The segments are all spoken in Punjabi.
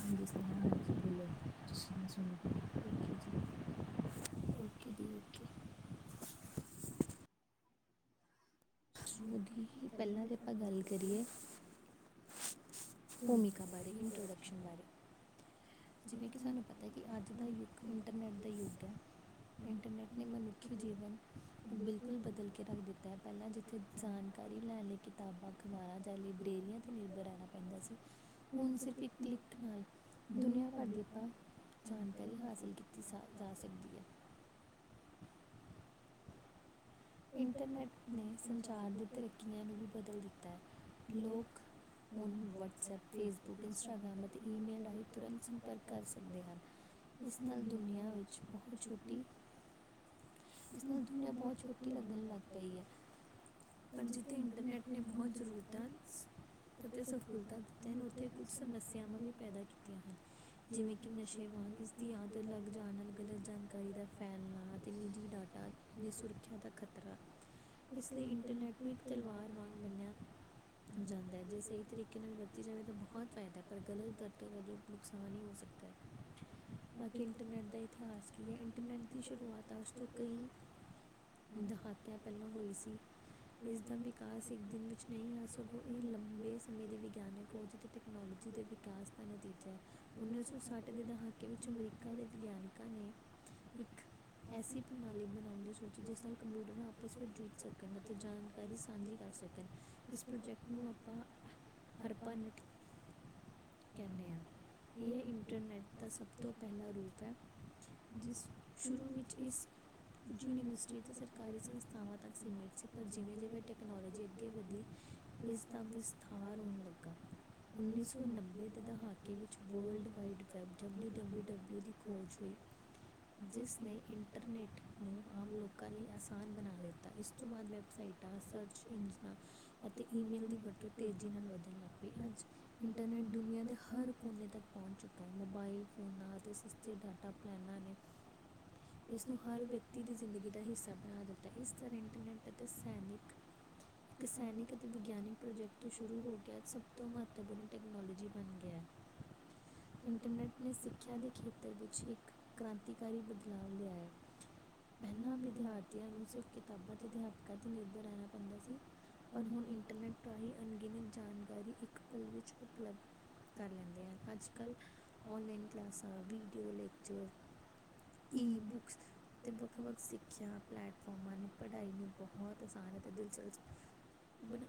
ਹਾਂਜੀ ਸੁਨੇਹਾ ਹਾਂਜੀ ਬੋਲੋ ਤੁਸੀਂ ਮੈਂ ਸੁਣਹਾ ਓਕੇ [inaudible] ਓਕੇ ਸੂਟ ਦੀ ਹੀ ਪਹਿਲਾਂ ਦੀ ਆਪਾਂ ਗੱਲ ਕਰੀਏ। ਜਿਵ [inaudible] ਇੰਟਰਨੈਟ ਨੇ ਮਨੁੱਖੀ ਜੀਵਨ ਬਿਲਕੁਲ ਬਦਲ ਕੇ ਰੱਖ ਦਿੱਤਾ ਹੈ ਪਹਿਲਾਂ ਅਤੇ ਜਾਣਕਾਰੀ ਲੈਣ ਲਈ ਕਿਤਾਬਾਂ ਖਵਾਾਣਾ ਜਾਂ ਲਾਇਬ੍ਰੇਰੀਆਂ 'ਤੇ ਲੱਭਣ ਆਉਣਾ ਪੈਂਦਾ ਸੀ। ਹੁਣ ਸਿਰਫ਼ ਇੱਕ ਕਲਿਕ ਦੁਨੀਆਂ ਸਾਰ ਦੀ ਭਾਵ ਜਾਣਕਾਰੀ ਹਾਸਲ ਕੀਤੀ ਜਾ ਸਕਦੀ ਹੈ ਇੰਟਰਨੈਟ ਨੇ ਸੰਚਾਰ ਦੇ ਧਰਖੀਆਂ ਨੂੰ ਵੀ ਬਦਲ ਦਿੱਤਾ ਹੈ ਲੋਕ [inaudible] ਮੈਂ ਵਟਸਐਪ ਫੇਸਬੁੱਕ ਇੰਸਟਾਗ੍ਰਾਮ ਅਤੇ ਈਮੇਲ ਰਾਹੀਂ ਧ ਸੰਪਰਕ ਕਰ ਸਕਦੇ ਹਨ। ਉਸ ਨਾਲ ਦੁਨੀਆਂ ਵਿੱਚ ਪਹ ਚੁੀੁ ਬਹੁਤ [inaudible] ਹੈ ਪਰ ਜਿੱਥੇ ਇੰਟਰਨੇਟ ਨੇ ਬਹੁਤ ਜ਼ੂਰਰਤ ਹੈ। ਸ ਇੇ ਖ [inaudible] ਸਮੱਸਿਆ ਬਾਰੇ ਜਿਵੇ ਕਿ ਨਸ਼ੇ ਦੀ ਆਦਤ ਲੱਗ ਜਾਣੀ ਹੈ। ਦੀ ਸੁਰੱਖਿਆ ਦਾ ਇਸ ਲਈ ਇੰਟਰਨੈੱਟ ਨੂੰ ਇੱਕ ਤਲਵਾਰ ਵਾਂਗ ਮੰਨਿਆ। ਜਾਂਦਾ ਹੈ ਜੇ ਸਹੀ ਤਰੀਕੇ ਨਾਲ ਵਰਤੀ ਜਾਵੇ ਤਾਂ ਬਹੁਤ ਫਾਇਦਾ ਪਰ ਗਲਤ ਵਰਤੋਂ ਤੋਂ ਦਾ ਜੋ ਨੁਕਸਾਨ ਹੀ ਹੋ ਸਕਦਾ। ਇੰਟਰਨੈਟ ਦਸ ਕੋ [inaudible] ਦਹਾਕਿਆ ਪਹਿਲਾਂ ਹੋਈ ਸੀ। ਇਸ ਦਾ ਵਿਕਾਸ ਇੱਕ ਦਿਨ ਵਿੱਚ ਨਹੀਂ ਸਗੋਂ ਇਹ ਲੰਬੇ ਸਮੇਂ ਦੇ ਵਿਗਿਆਨਕ ਖੋਜ ਅਤੇ ਟੈਕਨੋਲੋਜੀ ਜਿਸ ਦੇ ਵਿਕਾਸ ਦਾ ਨਤੀਜਾ ਹੈ ਉੱਨੀ ਸੌ ਸੱਠ ਦੇ ਦਹਾਕੇ ਵਿੱਚ ਅਮਰੀਕਾ ਦੇ ਵਿਗਿਆਨਕਾਂ ਨੇ ਇੱਕ ਐਸੀ ਜ ਆਪਸ ਵਿੱਚ ਸਕਣ ਅਤੇ ਜਾਣਕਾਰੀ ਸਾਂਝੀ ਕਰ ਸਕਣ ਇਸ ਪ੍ਰੋਜੈਕਟ ਨੂੰ ਆਪਾਂ ਹਰ ਪਲ ਕਹਿੰਦੇ ਹਾਂ ਇਹ ਇੰਟਰਨੈੱਟ ਦਾ ਸਭ ਤੋਂ ਪਹਿਲਾ ਰੂਪ ਹੈ। ਜਿਸ ਸ਼ੁਰੂ ਵਿੱਚ ਇਸ ਜਿਹਨੂੰ ਅਸੀਂ [inaudible] ਇਸ ਦਾ ਵਿਸਤਾਰ। ਆ ਉੱਨੀ ਸੌ ਨੱਬੇ ਦੇ ਦਹਾਕੇ ਵਿੱਚ ਗੋਲ੍ਡ ਵਿਈਦ ਵੈੱਬ [inaudible] ਜਿਸ ਨੇ ਇੰਟਰਨੇਟ ਲੋਕਾਂ ਲਈ ਆਸਾਨ ਬਣਾ ਦਿੱਤਾ ਇਸ ਤੋਂ ਬਾਅਦ ਵੈੱਬਸਾਈਟਾਂ ਸਰਚ ਇੰਜਨਾਂ ਅਤੇ ਈਮੇਲ ਦੀ ਵਰਤੋ। ਤੇਜ਼ੀ ਨਾਲ ਵਧਣ ਲੱਗ ਪਏ ਅੱਜ ਇੰਟਰਨੈਟ ਦੁਨੀਆਂ ਦੇ ਹਰ ਕੋਨੇ ਤੱਕ ਪਹੁੰਚ ਚੁੱਕਾ ਮੋਬਾਈਲ ਫੋਨਾਂ ਅਤੇ ਸਸਤੇ ਡਾਟਾ ਪਲੈਨਰ ਨੇ ਉਸ ਹਰ ਵਿਅਕਤੀ ਦੀ ਜ਼ਿੰਦਗੀ ਦਾ ਹਿੱਸਾ ਬਣਾ ਦਿੱਤਾ ਇਸ ਤਰ੍ਹਾਂ ਇੰਟਰਨੈੱਟ ਅਤੇ ਸੈਨਿਕ ਇੱਕ ਸੈਨਿਕ ਅਤੇ ਵਿਗਿਆਨਕ ਪ੍ਰੋਜੈਕਟ ਤੋਂ ਸ਼ੁਰੂ ਹੋ ਗਿਆ ਸਭ ਤੋਂ ਮਹੱਤਵਪੂਰਨ ਟੈਕਨੋਲੋਜੀ ਬਣ ਗਿਆ ਹ ਇੰਟਰਨੈੱਟ ਨੇ ਸਿੱਖਿਆ ਦੇ ਖੇਤਰ ਵਿੱਚ ਇੱਕ ਕ੍ਰਾਂਤੀਕਾਰੀ ਬਦਲਾਅ ਲਿਆਇਆ। ਪਹਿਲਾਂ ਵਿਦਿਆਰਥੀਆਂ ਨੂੰ ਸਿਰਫ਼ ਕਿਤਾਬਾਂ ਅਤੇ ਅਧਿਆਪਕਾਂ ਤੇ' ਨਿਰਭਰ ਰਹਿਣਾ ਪੈਂਦਾ ਸੀ। ਪਰ ਹੁਣ ਇੰਟਰਨੈੱਟ ਰਾਹੀਂ ਅਣਗਿਣਿਤ ਜਾਣਕਾਰੀ ਇੱਕ ਕੋਡ ਵਿੱਚ ਉਪਲਬਧ ਹੈ। ਕਰ ਲੈਂਦੇ ਹਾਂ ਅੱਜ ਕੱਲ੍ਹ ਔਨਲਾਈਨ ਕਲਾਸਾਂ ਵੀਡੀਓ ਲੈਕਚਰ ਈ ਬੁੱਕਸ ਅਤੇ ਬੁੱਕ ਵਰ ਸਿੱਖਿਆ ਪਲੈਟਫੋਮਾਂ ਨੂੰ ਪੜ੍ਹਾਈ ਨੂੰ ਬਹੁਤ ਆਸਾਨ ਹੈ ਅਤੇ ਦਿਲਚਸਪ ਬਣੇ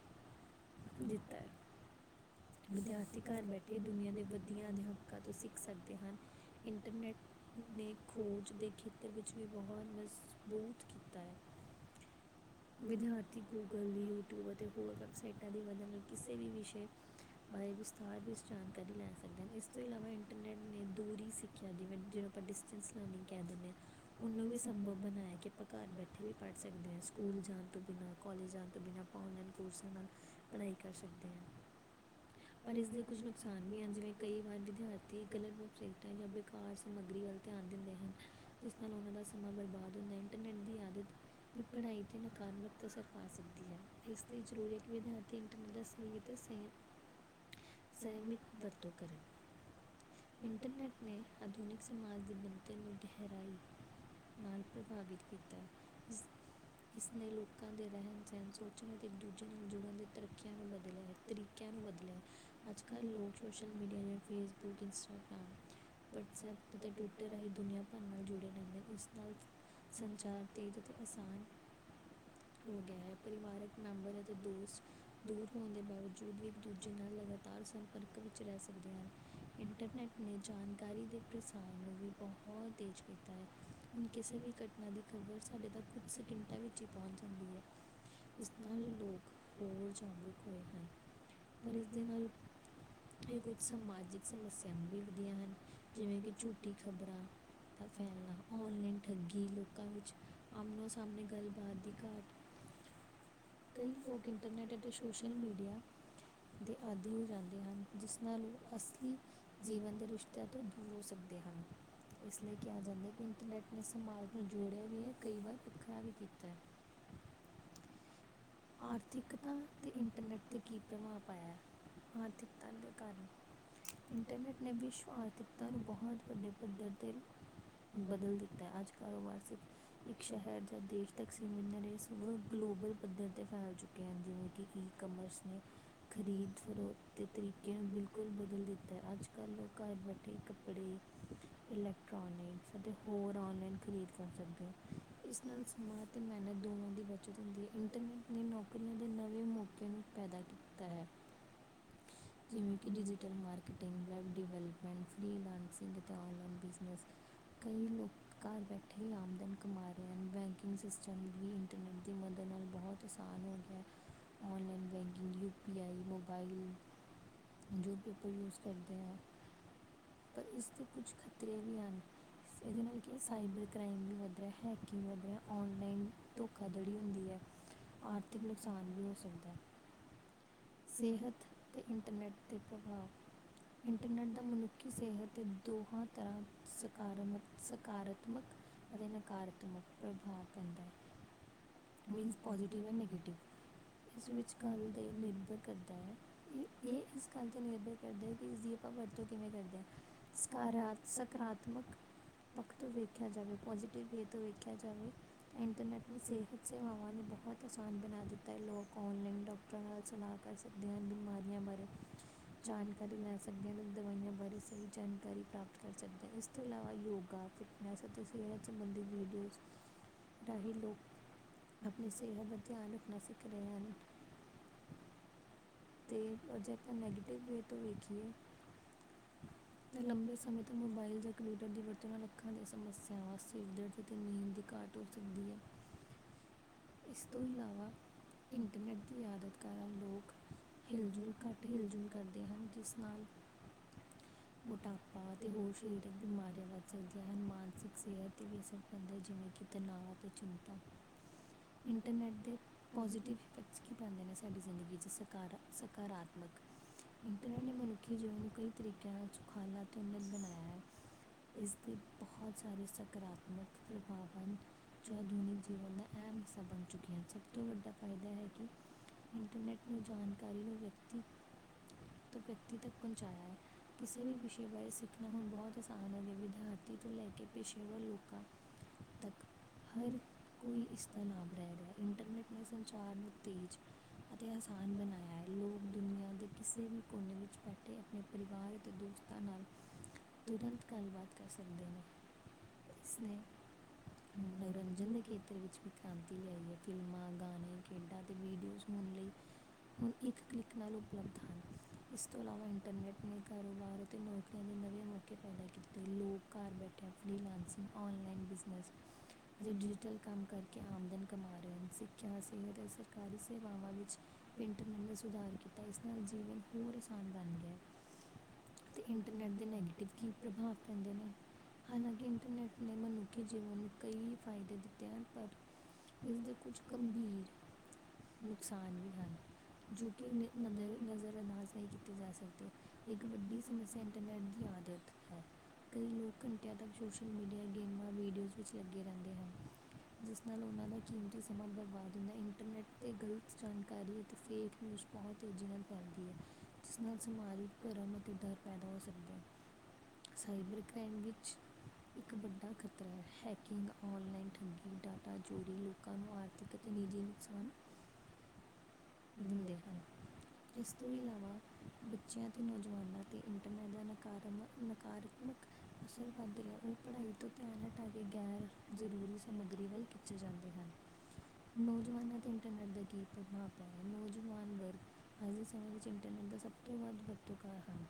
ਦਿੱਤਾ, ਵਿਦਿਆਰਥੀ ਘਰ ਬੈਠੇ ਦੁਨੀਆਂ ਦੇ ਵਧੀਆ ਅਧਿਆਪਕਾਂ ਤੋਂ ਸਿੱਖ ਸਕਦੇ ਹਨ। ਇੰਟਰਨੈੱਟ ਨੇ ਖੋਜ ਦੇ ਖੇਤਰ ਵਿੱਚ ਵੀ ਬਹੁਤ ਮਸ ਬਹੁਤ ਕੀਤਾ ਹੈ। ਹ ਵਿਦਿਆਰਥੀ ਗੂਗਲ ਦੀ ਯੂਟਿਊਬ ਅਤੇ ਹੋਰ ਵੈੱਬਸਾਈਟਾਂ ਦੀ ਵਜੋਂ ਕਿਸੇ ਵੀ ਵਿਸ਼ੇ, ਬਾਰੇ ਵਿਸਥਾਰ ਵੀ ਜਾਣਕਾਰੀ ਲੈ ਸਕਦੇ ਇਸ ਤੋਂ ਇਲਾਵਾ ਇੰਟਰਨੈਟ ਨੇ ਦੂਰੀ ਸਿੱਖਿਆ ਜਿਵੇਂ ਜਿਹੜਾ, ਆਪਾਂ ਡਿਸਟੈਂਸ ਲਰਨਿੰਗ ਕਹਿ ਦਿੰਦੇ ਹਾਂ। ਉਹਨੂੰ ਵੀ ਸੰਭਵ ਹੈ। ਮ ਆ ਕੇ ਆਪਾਂ ਘਰ ਬੈਠੇ ਵੀ ਪੜ੍ਹ ਸਕਦੇ ਹਾਂ ਸਕੂਲ ਜਾਣ ਤੋਂ ਬਿਨਾਂ ਕੋਲਜ ਜਾਣ ਤੋਂ ਬਿਨਾਂ ਆਪਾਂ ਔਨਲਾਈਨ ਕੋਰਸਾਂ ਨਾਲ, ਪੜਾਈ ਕਰ ਸਕਦੇ ਹਾਂ, ਪਰ ਇਸਦੇ ਕੁਝ ਨੁਕਸਾਨ ਵੀ ਹਨ ਜਿਵੇਂ ਕਈ ਵਾਰ ਵਿਦਿਆਰਥੀ ਗਲਤ ਵਬਸਾਈਟਾਂ ਜਾਂ ਬੇਕਾਰ ਸਮੱਗਰੀ, ਵੱਲ ਧਿਆਨ ਦਿੰਦੇ ਹਨ ਜਿਸ ਨਾਲ ਉਹਨਾ ਦਾ ਸਮਾਂ ਬਰਬਾਦ, ਲਦੀ ਆ, ਹ ਵੀ ਪੜ੍ਹਾਈ 'ਤੇ ਨਕਾਰਤਮਕ ਅਸਰ ਪਾ ਸਕਦੀ ਹੈ ਇਸ ਲਈ ਜ਼ਰੂਰੀ ਹੈ ਕਿ ਵਿਦਿਆਰਥੀ ਇੰਟਰਨੈੱਟ ਦਾ ਸਹੀ ਅਤੇ ਸਿਹਤ ਸੰਹਿਮਤ ਵਰਤੋਂ ਕਰਨ, ਇੰਟਰਨਟ ਨੇ ਆਧੁਨਿਕ ਸਮਾਜ ਦੀ ਬਣਤ ਨੂੰ ਗਹਿਰਾਈ, ਨਾਲ ਪ੍ਰਭਾਵਿਤ ਕੀਤਾ। ਇਸ ਨੇ ਲੋਕਾਂ ਦੇ ਰਹਿਣ ਸਹਿਣ ਸੋਚਣ ਅਤੇ ਇੱਕ ਦੂਜੇ ਨਾਲ ਜੁੜਨ ਦੀ ਤਰੱਕੀਆਂ ਨੂੰ ਬਦਲਿਆ ਹੈ ਤਰੀਕਿਆਂ, ਬਦਲਿਆ ਅੱਜ-ਕੱਲ੍ਹ ਲੋਕ ਸੋਸ਼ਲ ਮੀਡੀਆ ਜਿਵੇ ਫੇਸਬੁੱਕ ਇੰਸਟਾਗ੍ਰਾਮ ਵਟਸਐਪ ਅਤੇ ਟਵਿੱਟਰ ਰਾਹੀਂ ਦੁਨੀਆ ਭਰ ਨਾਲ ਜੁੜੇ ਰਹਿੰਦੇ ਉਸ ਨਾਲ, ਸੰਚਾਰ ਤੇਜ਼ ਅਤੇ ਆਸਾਨ, ਹੋ ਗਿਆ ਹੈ ਪਰਿਵਾਰਕ ਮੈਂਬਰ ਅਤੇ ਦੋਸਤ ਦੂਰ ਹੋਣ ਦੇ ਬਾਵਜੂਦ ਵੀ ਇੱਕ ਦੂਜੇ ਨਾਲ, ਲਗਾਤਾਰ ਸੰਪਰਕ ਵਿੱਚ ਰਹਿ ਸਕਦੇ ਹਨ ਇੰਟਰਨੈੱਟ ਨੇ ਜਾਣਕਾਰੀ ਦੇ ਪ੍ਰਸਾਰ ਨੂੰ ਵੀ ਬਹੁਤ ਤੇਜ਼ ਪਤਾ ਹੈ। ਹਮ। ਕਿਸੇ ਵੀ ਘਟਨਾ ਦੀ ਖ਼ਬਰ ਸਾਡੇ ਤੱਕ ਕੁਝ ਸਕਿੰਟਾਂ ਵਿੱਚ ਹੀ ਪਹੁੰਚ ਜਾਂਦੀ ਹੈ। ਇਸ ਨਾਲ ਲੋਕ ਹੋਰ ਜਾਗਰੂਕ ਹੋਏ ਹਨ। ਪਰ ਇਸਦੇ ਨਾਲ ਇਹ ਕੁਝ ਸਮਾਜਿਕ ਸਮੱਸਿਆਵਾਂ ਵੀ ਵਧੀਆ ਹਨ ਜਿਵੇਂ ਕਿ ਝੂਠ ਖਬਰਾਂ, ਤਾਂ ਫਿਰ ਨਾ ਹਾਜੀ ਰੂਪਾਂ ਵਿੱਚ ਆਮ ਬਾਪਤ ਹੈ, ਟਨ ਟਪੰਟਰਨਟ ਅਤੇ ਸੋਸ਼ਲ ਮੀਡੀਆ, ਦੇ ਆਦਿ ਦੇ ਹਨ ਜਿਸ ਨਾਲ ਅਸ ਜੀਵਨ ਦੇ ਰਿਸ਼ਤਾਂ ਤੋਂ ਦੂਰ ਹੋ ਸਕੇ ਹ ਇਸ ਲਈ ਕਿ ਆ ਜਾਂਦੇ, ਆਪਣੇ ਸਮਾਜ ਨਾਲ ਜੋੜਿਆ ਵੀ ਹੈ ਕਈ ਵਾਰ ਵੱਖਰਾ ਵੀ ਕੀਤਾ। ਆਰਥਿਕਤਾ ਅਤੇ ਇੰਟਰਨੈੱਟ 'ਤੇ ਕੀ ਪ੍ਰਭਾਵ ਪਾਇਆ ਹੈ। ਹਾਂ ਘਰ ਇੰਟਰਨੈੱਟ ਨੇ ਵਿਸ਼ਵ ਆਰਥਿਕਤਾ ਨੂੰ ਬਹੁਤ ਵੱਡੇ ਪੱਧਰ 'ਤੇ, ਬਦਲ ਦਿੱਤਾ ਹੈ ਅੱਜ ਕਾਰੋਬਾਰ ਸਿਰਫ ਇੱਕ ਸ਼ਹਿਰ ਜਾਂ ਦੇਸ਼ ਤੱਕ ਸੀਮਿਤ ਬਲੂ ਬਲ ਪੱਧਰ ਫੈਲ ਚੁੱਕੇ ਹਨ ਜਿਵੇਂ ਕਿ ਈ ਕਮਰਸ ਨੇ ਖਰੀਦ ਦੇ ਤਰੀਕੇ ਨੂੰ ਬਿਲਕੁਲ ਵੀ ਬਦਲ ਦਿੱਤਾ ਅੱਜ-ਕੱਲ ਲੋਕ ਘਰ ਬੈਠੇ ਕੱਪੜੇ ਇਲੈਕਟ੍ਰੋਨਿਕਸ ਅਤੇ ਹੋਰ ਔਨਲਾਈਨ ਖਰੀਦ ਕਰ ਸਕਦੇ ਹੋ ਇਸ ਨਾਲ ਸਮਾਂ ਅਤੇ ਮਿਹਨਤ ਦੋਵਾਂ ਦੀ ਬੱਚਤ ਹੁੰਦੀ ਹੈ ਇੰਟਰਨੈਟ ਨੇ ਨੌਕਰੀ ਦੇ ਨਵੇਂ ਮੌਕੇ ਪੈਦਾ ਕੀਤਾ ਹੈ। ਜਿਵੇਂ ਕਿ digital marketing, web development freelancing ਅਤੇ ਔਨਲਾਈਨ ਬਿਜ਼ਨਸ। ਕਈ ਲੋਕ ਘਰ ਬੈਠੇ ਆਮਦਨ ਕਮਾ ਰਹੇ ਹਨ। ਬੈਂਕਿੰਗ ਸਿਸਟਮ ਵੀ ਇੰਟਰਨੈੱਟ ਦੀ ਮਦਦ [inaudible] ਕਿਸਾਨ ਹੋ ਗਿਆ ਏ, online banking U P I mobile. ਜੋ ਪੀਪਲ ਯੂਸ ਕਰਦੇ ਆ। ਪਰ ਇਸਦੇ ਕੁਝ ਖਤਰੇ ਵੀ ਹਨ। ਇਹਦੇ ਨਾਲ ਕੀ ਏ, ਸਾਈਬਰ ਕ੍ਰਾਈਮ ਵੀ ਵੱਧ ਰਿਹਾ, ਹੈਕਿੰਗ ਵੱਧ ਰਿਹਾ, ਔਨਲਾਈਨ ਧੋਖਾਧੜੀ ਹੁੰਦੀ ਹੈ। ਆਰਥਿਕ ਨੁਕਸਾਨ ਵੀ ਹੋ ਸਕਦਾ। ਸਿਹਤ ਤੇ ਇੰਟਰਨੈੱਟ ਤੇ ਪ੍ਰਭਾਵ। ਇੰਟਰਨੈੱਟ ਦਾ ਮਨੁੱਖੀ ਸਿਹਤ ਤੇ ਦੋਹਾਂ ਤਰ੍ਹਾਂ ਸਕਾਰਮਕ ਸਕਾਰਾਤਮਕ। ਅਦੇ ਨਕਾਰਤਮਕ ਪ੍ਰਭਾਵ ਪੈਂਦਾ ਹੈਂ। ਹਮ। ਟੀਵ ਹੈ ਨਿਗੇਟੀਵ। ਇਸ ਵਿੱਚ ਗੱਲ ਤੇ ਹੀ ਨਿਰਭਰ ਕਰਦਾ ਹੈ। ਇਹ ਇਸ ਗੱਲ ਤੇ ਨਿਰਭਰ ਕਰਦਾ ਹੈ ਕਿ ਇਸਦੀ ਆ ਵਰਤੋਂ ਕਿਵੇਂ ਕਰਦੇ ਹਾਂ? ਸਕਾਰ, ਸਕਾਰਾਤਮਕ ਪੱਖ ਤੋਂ ਵੇਖਿਆ ਜਾਵੇ, ਪੋਜੀਟਿਵ ਵੇ ਤੋਂ ਵੇਖਿਆ ਜਾਵੇ, ਇੰਟਰਨੈਟ ਨੇ ਸਿਹਤ ਸੇਵਾਵਾਂ ਨੂੰ ਬਹੁ ਬਹੁਤ ਆਸਾਨ ਬਣਾ ਦਿੱਤਾ ਹੈ। ਲੋਕ ਔਨਲਾਈਨ ਡਾਕਟਰਾਂ ਨਾਲ ਸਲਾਹ ਕਰ ਸਕਦੇ ਹਨ ਬਿਮਾਰੀਆਂ ਬਾਰੇ। ਜਾਣਕਾਰੀ ਲੈ ਸਕਦੇ ਹਨ। ਦਵਾਈਆਂ ਬਾਰੇ ਸਹੀ ਜਾਣਕਾਰੀ ਪ੍ਰਾਪਤ ਕਰ ਸਕਦੇ ਹਨ। ਇਸ ਤੋਂ ਇਲਾਵਾ ਯੋਗਾ ਬ ਵੈਸੇ ਤੁਸੀਂ ਇਹ ਸੰਬੰਧੀ ਵੀਡੀਓਜ਼, ਰਾਹੀਂ ਲੋਕ ਆਪਣੀ ਤੇਰਾ ਬਰ ਧਿਆਨ ਰਿੱਖਣਾ ਸਿੱਖ ਰਹੇ ਹਨ। ਤੇ ਅਜੇ ਆਪਾਂ ਨੈਗੇਟਿਵ ਵੇ ਤੋਂ ਵੇਖੀਏ [inaudible] ਅਤੇ ਲੰਬੇ ਸਮੇਂ ਤੋਂ ਮੋਬਾਇਲ ਜਾਂ ਕੰਪਿਊਟਰ ਦੀ ਵਰਤੋਂ ਨਾਲ ਅੱਖਾਂ ਦੀਆਂ ਸਮੱਸਿਆਵਾਂ, ਸਿਰ ਦਰਦ ਤੇ ਨੀਂਦ ਦੀ ਘਾ ਘੱਟ ਹੋ ਸਕਦੀ ਹੈ। ਇਸ ਤੋਂ ਇਲਾਵਾ, ਇੰਟਰਨੈੱਟ ਦੀ ਮਦਦ ਕਰ ਲੋਕ ਭੇਜ ਘ ਭੇਜ ਕਰਦੇਣਾ [unintelligible] ਮੋਟਾਪਾ ਅਤੇ ਹੋਰ ਸਰੀਰਕ ਬਿਮਾਰੀਆਂ ਵੱਧ ਸਕਦੀਆਂ ਹਨ, ਮਾਨਸਿਕ ਸਿਹਤ ਤੇ ਵੀ ਅਸਰ ਪੈਂਦਾ ਹੈ ਜਿਵੇਂ ਕਿ ਤੇਨਾਵਾਂ ਤੇ ਚਿੰਤਾ। ਇੰਟਰਨੈਟ ਦੇ ਪਾਜ਼ੀਟਿਵ ਇਫੈਕਟਸ ਕੀ ਪੈਂਦੇ ਨੇ ਸਾਡੀ ਜ਼ਿੰਦਗੀ ਚ ਸਕਾਰਾਤਮਕ ਇੰਟਰਨੈਟ ਨੇ ਮਨੁੱਖੀ ਜੀਵਨ ਨੂੰ ਕਈ ਤਰੀਕਿਆਂ ਨਾਲ ਸੁਖਾਲਾ ਅਤੇਨਨ ਬਣਾਇਆ ਹੈ ਇਸਦੇ ਬਹੁਤ ਸਾਰੇ ਸਕਾਰਾਤਮਕ ਪ੍ਰਭਾਵ ਹਨ। ਜੋ ਆਧੁਨਿਕ ਜੀਵਨ ਦਾ ਅਹ ਦਾ ਹਿੱਸਾ ਬਣ ਚੁੱਕੀਆਂ ਹਨ। ਸਭ ਤੋਂ ਵੱਡਾ ਫਾਇਦਾ ਹੈ ਕਿ ਇੰਟਰਨੈੱਟ ਉਹ ਜਾਣਕਾਰੀ ਨੂੰ ਵਿਅਕਤੀ ਤੋਂ ਵਿਅਕਤੀ ਤੱਕ ਪਹੁੰਚਾਇਆ ਹੈ। ਕਿਸੇ ਵੀ ਵਿਸ਼ੇ ਬਾਰੇ ਸਿੱਖਣਾ ਹੁਣ ਬਹੁਤ ਆਸਾਨ ਹੋ ਗਿਆ, ਵਿਦਿਆਰਥੀ ਤੋਂ ਲੈ ਕੇ ਪੇਸ਼ੇਵਰ ਲੋਕਾਂ ਅੱ। ਇਨ [unintelligible] ਹੋ ਗਿਆ ਏ, ਇੰਟਰਨੈਟ ਨੇ ਸੰਚਾਰ ਨੂੰ ਤੇਜ [unintelligible] ਆਸਾਨ ਬਣਾਇਆ [unintelligible] ਦੁਨਿਆ ਦੇ ਕਿਸੇ ਵੀ ਕੋਨੇ ਵਿੱਚ ਬੈਠੇ ਆਪਣੇ ਪਰਿਵਾਰ ਅਤੇ ਦੋਸਤਾਂ ਨਾਲ ਤੁਰੰਤ ਗੱਲਬਾਤ ਕਰ ਸਕਦੇ ਨੇ। ਸਨੇ ਮਨੋਰੰਜਨ ਦੇ ਖੇਤਰ ਵਿੱਚ ਵੀ ਕ੍ਰਾਂਤੀ ਲਿਆਏ ਹੈ, ਫਿਲਮਾਂ, ਗਾਣੇ, ਖੇਡਾਂ ਅਤੇ ਵੀਡੀਓਜ਼ [inaudible] ਹੁਣ ਇੱਕ ਕਲਿੱਕ ਨਾਲ ਉਪਲਬਧ ਹਨ। ਇਸ ਤੋਂ ਇਲਾਵਾ, ਇੰਟਰਨੈੱਟ ਨੇ ਕਾਰੋਬਾਰ ਅਤੇ ਨੌਕਰੀਆਂ ਲੋਕਾਂ ਦਾ ਫਿਨੇਸਿੰਗ ਔਨਲਾਈਨ ਬਿਸਨੇਜ਼। ਅਸੀ ਡਿਜੀਟਲ ਕੰਮ ਕਰਕੇ ਆਮਦਨ ਕਮਾ ਰਹੇ ਆ। ਸਿੱਖਿਆ, ਸਿਹਤ, ਸਰਕਾਰੀ ਸੇਵਾਵਾਂ ਵਿੱਚ ਇੰਟਰਨੈੱਟ ਨੇ ਸੁਧਾਰ ਕੀਤਾ। ਇਸ ਨਾਲ ਜੀਵਨ ਹੋਰ ਆਸਾਨ ਬਣ ਗਿਆ ਏ। ਅਤੇ ਇੰਟਰਨੈੱਟ ਦੇ ਨੈਗੇਟਿਵ ਕੀ ਪ੍ਰਭਾਵ ਪੈਂਦੇ ਨੇ? ਹਾਲਾਂਕਿ, ਇੰਟਰਨੈਟ ਨੇ ਮਨੁੱਖੀ ਜੀਵਨ ਨੂੰ ਕਈ ਫਾਇਦੇ ਦਿੱਤੇ ਹਨ, ਪਰ ਇਸ ਦੇ ਕੁਝ ਗੰਭੀਰ ਨੁਕਸਾਨ ਵੀ ਹਨ। [inaudible] ਹਰ ਰੋਜ ਹਨ [inaudible] ਕਈ ਲੋਕ ਘੰਟਿਆਂ ਤੱਕ ਸੋਸ਼ਲ ਮੀਡੀਆ, ਗੇਮਾਂ, ਵੀਡੀਓਜ਼ ਵਿੱਚ ਲੱਗੇ ਰਹਿੰਦੇ ਹਨ। ਜਿਸ ਨਾਲ ਉਹਨਾਂ ਦਾ ਕੀਮਤੀ ਸਮਾਂ ਬਰਬਾਦ ਹੁੰਦਾ ਇੰਟਰਨੈੱਟ 'ਤੇ ਗਲਤ ਸ ਅਤੇ ਫੇਕ ਨਿਊਜ਼ ਬਹੁਤ ਤੇਜ਼ੀ ਨਾਲ ਫ਼ੈਲਦੀ ਹੈ ਜਿਸ ਨਾਲ ਸਮਾਜਿਕ ਭਰਮ ਅਤੇ ਡਰ ਪੈਦਾ ਹੋ ਸਕਦਾ ਹੈ। ਸਾਈਬਰ ਕ੍ਰਾਈਮ ਵਿੱਚ ਇੱਕ ਵੱਡਾ ਖਤਰਾ ਹੈ ਹੈਕਿੰਗ, ਔਨਲਾਈਨ ਠੱਗੀ, ਡਾਟਾ ਚੋਰੀ ਲੋਕਾਂ ਨੂੰ ਆਰਥਿਕ ਅਤੇ ਮੀਡੀਆ ਨੁਕਸਾਨ [inaudible] ਦਿੰਦੇ ਹਨ ਇਸ ਤੋਂ ਇਲਾਵਾ ਬੱਚਿਆਂ ਅਤੇ ਨੌਜਵਾਨਾਂ 'ਤੇ ਇੰਟਰਨੈੱਟ ਦਾ ਨਕਾਰਮ ਨਕਾਰਤਮ ਅਸਰ ਵੱਧ ਰਿਹਾ ਉਹ ਪੜ੍ਹਾਈ ਤੋਂ ਧਿਆਨ ਹਟਾ ਕੇ ਗੈਰ ਜ਼ਰੂਰੀ ਸਮੱਗਰੀ ਵੱਲ ਖਿੱਚੇ ਜਾਣ ਨੌਜਵਾਨਾਂ ਤੇ ਇੰਟਰਨੈਟ ਦੇ ਕਿ ਪ੍ਰਭਾਵ ਪੈਂਦੇ ਹਨ, ਨੌਜਵਾਨ [inaudible] ਅੱਜ ਦੇ ਸਮੇਂ ਵਿੱਚ ਇੰਟਰਨੈਟ ਦਾ ਸਭ ਤੋਂ ਵੱਧ ਵਤਰਕਾਰ ਹਨ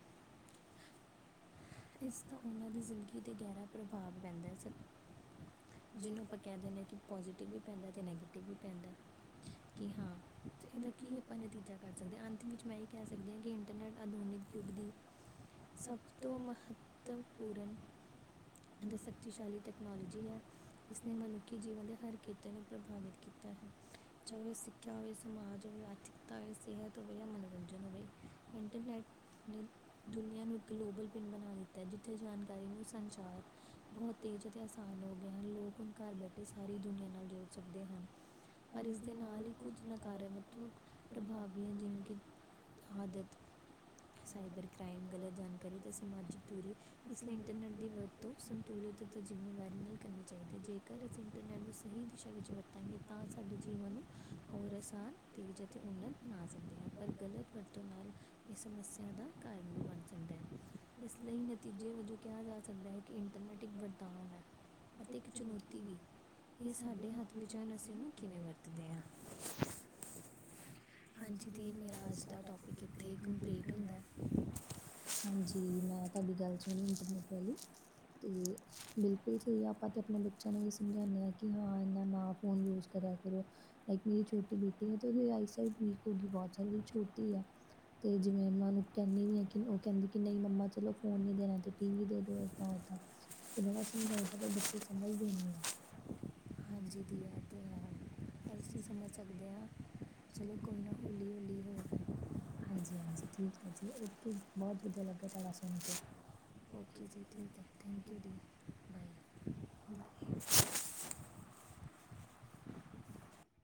ਇਸ ਦਾ ਉਨ੍ਹਾਂ ਦੀ ਜ਼ਿੰਦਗੀ 'ਤੇ ਗਹਿਰਾ ਪ੍ਰਭਾਵ ਪੈਂਦਾ ਸ ਜਿਹਨੂੰ ਆਪਾਂ ਕਹਿ ਦੇਣੇ ਆ ਕਿ ਪੋਜ਼ੀਟਿਵ ਵੀ ਪੈਂਦਾ ਅਤੇ ਨੈਗੇਟਿਵ ਵੀ ਪੈਂਦਾ ਕਿ ਹਾਂ ਤੇ ਇਹਦਾ ਕੀ ਆਪਾਂ ਨਤੀਜਾ ਕਰ ਸਕਦੇ ਹਾਂ ਅੰਤ ਵਿੱਚ ਮੈਂ ਇਹ ਕਹਿ ਸਕਦੀ ਹਾਂ ਕਿ ਇੰਟਰਨੈੱਟ ਆਧੁਨਿਕ ਯੁੱਗ ਦੀ ਸਭ ਤੋਂ ਨਾ ਅੱਤ ਪੂਰਨ ਸ਼ਕਤੀਸ਼ਾਲੀ ਟੈਕਨੋਲੋਜੀ ਹੈ ਇਸਨੇ ਮਨੁੱਖੀ ਜੀਵਨ ਦੇ ਹਰ ਖੇਤਰ ਨੂੰ ਪ੍ਰਭਾਵਿਤ ਕੀ [inaudible] ਚਵੇ ਸਿੱਖਿਆ ਹੋਵੇ ਸਮਾਜ ਹੋਵੇ ਆਰਥਿਕਤਾ ਹੋਵੇ ਸਿਹਤ ਹੋਵੇ ਜਾਂ ਮਨੋਰੰਜਨ ਹੋਵੇ ਇੰਟਰਨੈੱਟ ਦੁਨੀ ਦੁਨੀਆਂ ਨੂੰ ਇੱਕ ਗਲੋਬਲ ਪਿੰਡ ਬਨਾਂਣ ਜਿੱਥੇ ਜਾਣਕਾਰੀ, ਸੰਚਾਰ ਬਹੁਤ ਤੇਜ਼ ਅਤੇ ਆਸਾਨ ਹੋ ਗਏ ਹਨ, ਲੋਕ ਹੁਣ ਘਰ ਬੈਠੇ ਸਾਰੇ ਸਾਰੀ ਦੁਨੀਆਂ ਨਾਲ ਜੋੜ ਸਕਦੇ ਹਨ ਪਰ ਇਸਦੇ ਨਾਲ ਹੀ ਕੁੱਝ ਨਕਾਰਾਮਤਕ ਪ੍ਰਭਾਵ ਵੀ ਹੈ ਜਿਵੇ ਕਿ ਆਦਤ ਸਾਈਬਰ ਕ੍ਰਾਈਮ ਗਲਤ ਜਾਣਕਾਰੀ ਤਾਂ ਸਮਾਜਿਕ ਇਸ ਲਈ ਇੰਟਰਨੈੱਟ ਦੀ ਵਰਤੋਂ ਸੰਤੁਲਿਤ ਜ਼ਿੰਮੇਵਾਰੀ ਨਹੀਂ ਕਰਨੀ ਚਾਹੀਦੀ ਜੇਕਰ ਅਸੀਂ ਸਹੀ ਦਿਸ਼ਾ ਵਿੱਚ ਵਰਤਾਂਗੇ ਤਾਂ ਸਾਡੇ ਜੀਵਨ ਨੂੰ ਕਰਸਾਰ ਤੇਜ਼ ਅਤੇ ਉੰਡਣ ਨਾ ਪਰ ਗਲਤ ਵਰਤੋਂ ਨਾਲ ਇਹ ਸਮੱਸਿਆ ਦਾ ਕਾਰਨ ਵੀ ਬਣ ਸਕਦਾ ਹੈ ਇਸ ਲਈ ਨਤੀਜੇ ਵਜੋਂ ਕਿਹਾ ਜਾ ਸਕਦਾ ਹੈ ਕਿ ਇੰਟਰਨੈੱਟ ਇੱਕ ਵਰਦਾਨ ਹੈ ਅਤੇ ਇੱਕ ਚੁਣੌਤੀ ਵੀ ਇਹ ਸਾਡੇ ਹੱਥ ਵਿੱਚ ਹਨ ਅਸੀਂ ਉਹਨੂੰ ਕਿਵੇਂ ਵਰਤਦੇ ਹਾਂ [unintelligible] ਤੇ ਕੰਪਿਊਟਰ ਹਾਂਜੀ ਮੈਂ ਤੁਹਾਡੀ ਗੱਲ ਸੁਣੀ ਇੰਟਰਨੈਟ ਤੇ ਬਿਲਕੁਲ ਸਹੀ ਏ ਆਪਾਂ ਤੇ ਆਪਣੇ ਬੱਚਿਆਂ ਨੂੰ ਵੀ ਸਮਝਾਉਂਦੇ ਹਾਂ ਕਿ ਹਾਂ ਇਨਾ ਨਾ ਫੋਨ ਯੂਜ ਕਰਿਆ ਕਰੋ ਲਾਈਕ ਮੇਰੀ ਛੋਟੀ ਬੇਟੀ ਹੈ ਤੇ ਆਈਸਾਈਡ ਵੀਕ ਹੋ ਗਈ ਬਹੁਤ ਸ ਅਜੇ ਛੋਟੀ ਐ ਤੇ ਜਿਵੇਂ ਮੈਂ ਓਨੂੰ ਕਹਿੰਦੀ ਨ ਆ ਉਹ ਕਹਿੰਦੀ ਕਿ ਨਹੀਂ ਮੰਮਾ ਚਲੋ ਫੋਨ ਨੀ ਦੇਣਾ ਤੇ ਟੀ ਵੀ ਦੇ ਦੋ ਤੇ ਬੜਾ ਸਮਝਾਈਦਾ ਪਰ ਬੱਚੇ ਸਮਝਦੇ ਨਹੀਂ ਆ ਹਾਂਜੀ ਦੀ ਆ ਤੇ ਹੈ ਸਮ [inaudible] ਸਕਦੇ ਹਾਂ ਹਾਂਜੀ ਹਾਂਜੀ ਠੀਕ ਹੈ ਜੀ ਓਕੇ ਬਹੁਤ ਵਧੀਆ ਲੱਗਾ ਤੁਹਾਡਾ ਸੁਣ ਕੇ ਓਕੇ ਜੀ ਠੀਕ ਹੈ ਥੈਂਕ ਯੂ ਜੀ ਬਾਏ